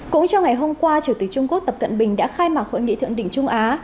cũng trong ngày hôm qua chủ tịch trung quốc tập cận bình đã khai mạc hội nghị thượng đỉnh trung á